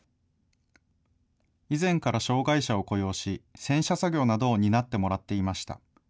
以前から障害者を雇用し、洗車作業などを担ってもらっていました。